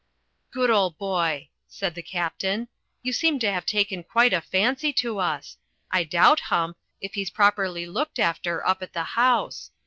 *'Good old boy," said the Captain. You seem to have taken quite a fancy to us. I doubt, Hump, if he's properly looked after up at the house.